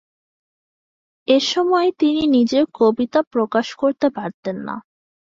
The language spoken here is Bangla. এ সময়ে তিনি নিজের কবিতা প্রকাশ করতে পারতেন না।